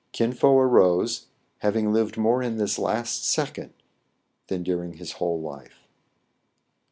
Kin Fo arose, having lived more in this last second than during his whole life.